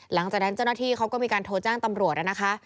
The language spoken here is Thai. หลังจากนั้นเจ้าหน้าที่เขาก็มีการโทรแจ้งตำรวจนะคะ